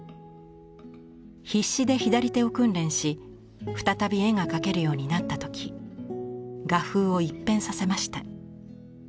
必死で左手を訓練し再び絵が描けるようになった時画風を一変させました。